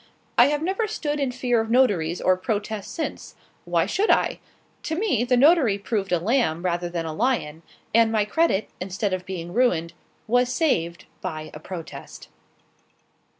I have never stood in fear of notaries or protests since. Why should I? To me the notary proved a lamb rather than a lion, and my credit, instead of being ruined, was saved by a protest.